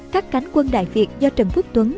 các cánh quân đại việt do trần quốc tuấn